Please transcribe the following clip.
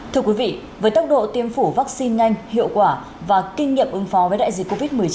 thưa quý vị với tốc độ tiêm phủ vaccine nhanh hiệu quả và kinh nghiệm ứng phó với đại dịch covid một mươi chín